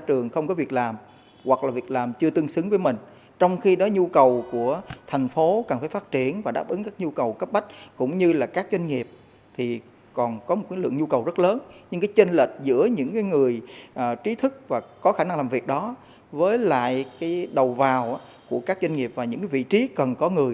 tại đầu vào của các doanh nghiệp và những vị trí cần có người